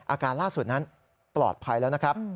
อาการล่าสุดนั้นปลอดภัยแล้วนะครับ